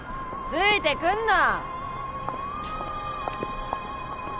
ついてくんな！